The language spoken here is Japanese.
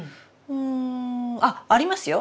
うんあっありますよ！